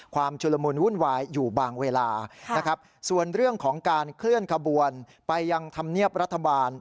ชุลมุนวุ่นวายอยู่บางเวลานะครับส่วนเรื่องของการเคลื่อนขบวนไปยังธรรมเนียบรัฐบาล